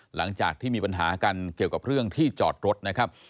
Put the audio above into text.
หลังจากที่มีปัญหากันเกี่ยวกับเรื่องที่จอดรถนะครับ